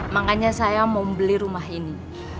makanya saya mau beli rumah ini